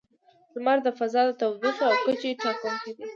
• لمر د فضا د تودوخې او کچې ټاکونکی دی.